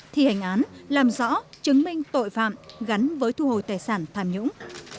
thi hành án làm rõ chứng minh tội phạm gắn với thu hồi tài sản tham nhũng